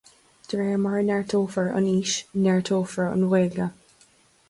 De réir mar a neartófar an fhís, neartófar an Ghaeilge